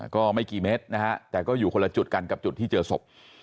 ก็ไม่กี่เมตรนะฮะแต่ก็อยู่คนละจุดกันกับจุดที่เจอศพ